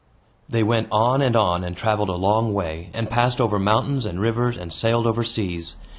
They went on and on, and traveled a long way, and passed over mountains and rivers, and sailed over seas.